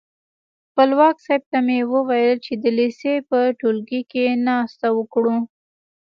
خپلواک صاحب ته مې وویل چې د لېسې په ټولګي کې ناسته وکړو.